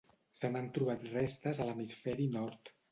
Se n'han trobat restes a l'hemisferi nord.